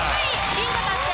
ビンゴ達成。